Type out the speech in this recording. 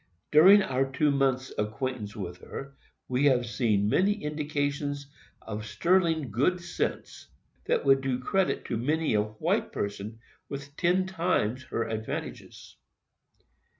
During our two months' acquaintance with her, we have seen many indications of sterling good sense, that would do credit to many a white person with ten times her advantages.